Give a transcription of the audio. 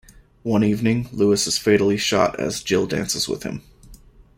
One evening, Louis is fatally shot as Jill dances with him.